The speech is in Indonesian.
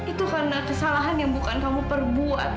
itu karena kesalahan yang bukan kamu perbuat